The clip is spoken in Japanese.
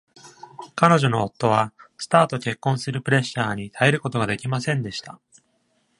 彼女の夫は、スターと結婚するプレッシャーに耐えることができませんでした。